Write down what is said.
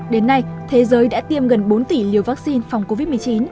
đến nay thế giới đã tiêm gần bốn tỷ liều vaccine phòng covid một mươi chín